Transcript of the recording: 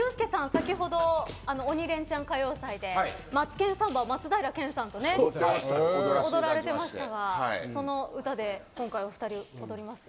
先ほど「鬼レンチャン歌謡祭」で「マツケンサンバ」松平健さんと踊られていましたが、その歌で今回、お二人踊りますよ。